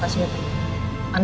pak surya tenang